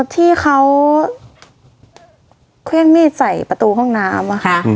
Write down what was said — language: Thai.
ที่เขาเครื่องมีดใส่ประตูห้องน้ำค่ะ